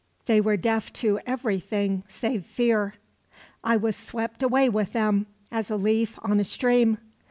They were deaf to everything, save fear. "I was swept away with them, as a leaf on a stream.